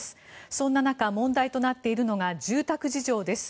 そんな中、問題となっているのが住宅事情です。